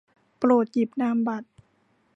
โปรดหยิบนามบัตร